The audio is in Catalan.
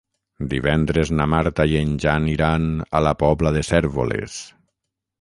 Divendres na Marta i en Jan iran a la Pobla de Cérvoles.